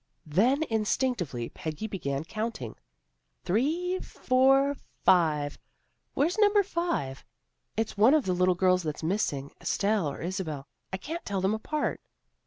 Then instinctively Peggy began counting, " Three, four, five. Where's number five? "" It's one of the little girls that's missing, Estelle or Isabel. I can't tell them apart."